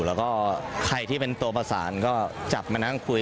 แล้วก็ใครที่เป็นตัวประสานก็จับมานั่งคุย